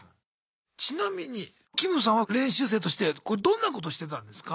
ちなみにキムさんは練習生としてこれどんなことしてたんですか？